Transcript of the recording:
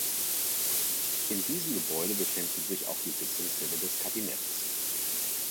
In diesem Gebäude befinden sich auch die Sitzungssäle des Kabinetts.